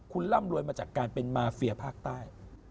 คุณร่ำรวยมาจากการเป็นมาเฟียภาคใต้